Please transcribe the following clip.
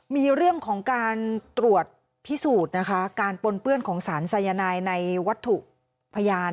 มีเรื่องของการตรวจพิสูจน์นะคะการปนเปื้อนของสารสายนายในวัตถุพยาน